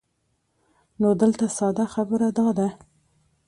نو دلته ساده خبره دا ده